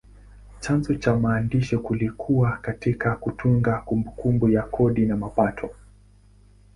Chanzo cha maandishi kilikuwa katika kutunza kumbukumbu ya kodi na mapato.